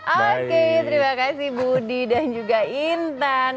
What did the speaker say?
oke terima kasih budi dan juga intan